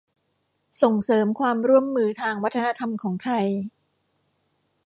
ส่งเสริมความร่วมมือทางวัฒนธรรมของไทย